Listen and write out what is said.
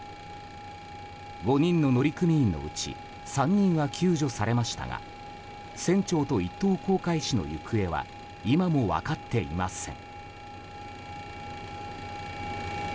５人の乗組員のうち３人は救助されましたが船長と一等航海士の行方は今も分かっていません。